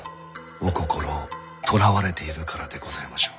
お心をとらわれているからでございましょう。